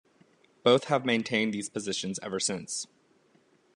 Both have maintained these positions ever since.